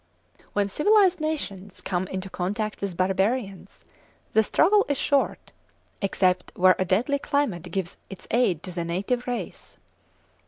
When civilised nations come into contact with barbarians the struggle is short, except where a deadly climate gives its aid to the native race.